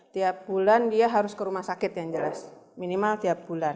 tiap bulan dia harus ke rumah sakit yang jelas minimal tiap bulan